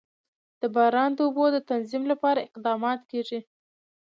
د باران د اوبو د تنظیم لپاره اقدامات کېږي.